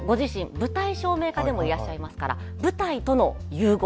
舞台照明家でもいらっしゃいますから舞台との融合。